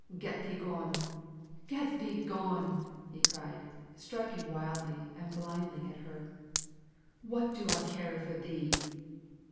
"Get thee gone! get thee gone!" he cried, striking wildly and blindly at her. "What do I care for thee?"